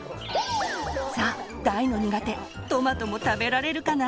さあ大の苦手トマトも食べられるかな？